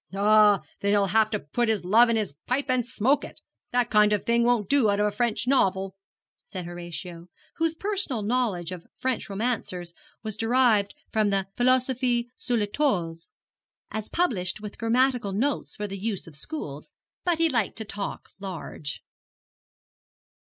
'Ah, then he'll have to put his love in his pipe and smoke it! That kind of thing won't do out of a French novel,' said Horatio, whose personal knowledge of French romancers was derived from the Philosophe sous les toits, as published with grammatical notes for the use of schools; but he liked to talk large.